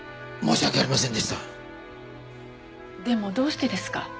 でもどうしてですか？